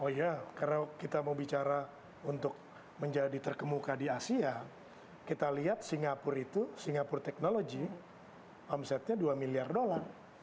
oh iya karena kita mau bicara untuk menjadi terkemuka di asia kita lihat singapura itu singapura technology omsetnya dua miliar dolar